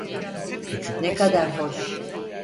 Ne kadar hoş!